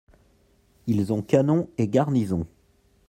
Ils ont canon et garnison.